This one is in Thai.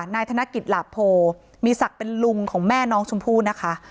นายธนกิจหลาโพมีศักดิ์เป็นลุงของแม่น้องชมพู่นะคะ